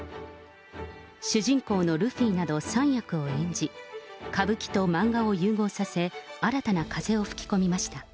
主人公のルフィなど３役を演じ、歌舞伎と漫画を融合させ、新たな風を吹き込みました。